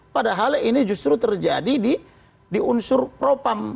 padahal ini justru terjadi di unsur propam